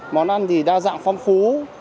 món ăn thì đa dạng phong phú